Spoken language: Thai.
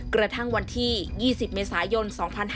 กระทั่งวันที่๒๐เมษายน๒๕๕๙